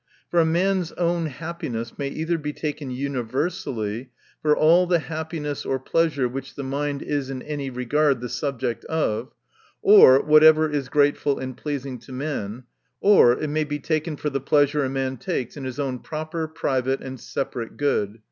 For a man's own happiness may either be taken univer sally, for all the happiness and pleasure which the mind is in any regard the subject of, or whatevei is grateful and pleasing to men ; or it may be taken for 278 THE NATURE OF VIRTUE. the pleasure a man takes in his own proper, private, and separate good.